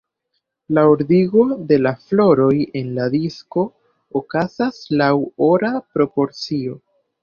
La ordigo de la floroj en la disko okazas laŭ ora proporcio.